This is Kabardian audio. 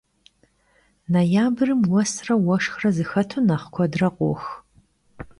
Noyabrım vuesre vueşşxre zexetu nexh kuedre khox.